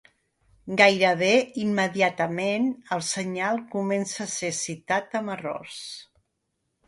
Gairebé immediatament, el senyal començà a ser citat amb errors.